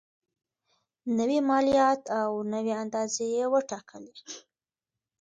نوي مالیات او نوي اندازې یې وټاکلې.